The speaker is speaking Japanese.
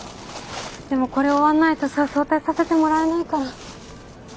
でもこれ終わんないとさ早退させてもらえないから。